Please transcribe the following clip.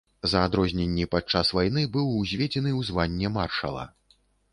За адрозненні падчас вайны быў узведзены ў званне маршала.